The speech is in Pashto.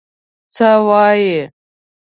څه وايې؟